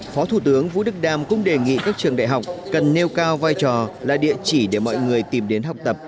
phó thủ tướng vũ đức đam cũng đề nghị các trường đại học cần nêu cao vai trò là địa chỉ để mọi người tìm đến học tập